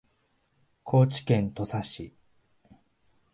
高知県土佐市